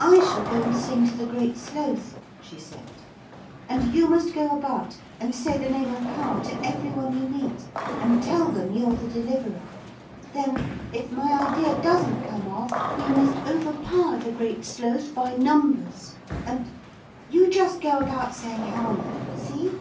'I shall go and sing to the Great Sloth,' she said, 'and you must go about and say the name of power to every one you meet, and tell them you're the Deliverer. Then if my idea doesn't come off, we must overpower the Great Sloth by numbers and .... You just go about saying "Halma!" see?'